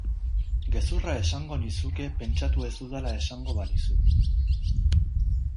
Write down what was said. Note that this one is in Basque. Gezurra esango nizuke pentsatu ez dudala esango banizu.